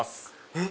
えっ？